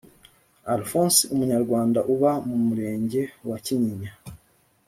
alphonse umunyarwanda uba mu murenge wa kinyinya